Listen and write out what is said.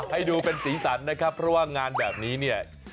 ให้ดูเป็นศีรษรนะครับเพราะว่างานแบบนี้